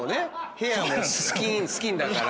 ヘアもスキンだから。